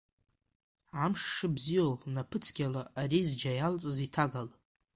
Амш шыбзиоу, напыцқьала, ари зџьа иалҵыз, иҭагал.